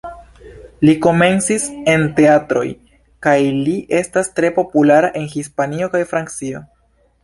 Li komencis en teatroj, kaj li estas tre populara en Hispanio kaj Francio.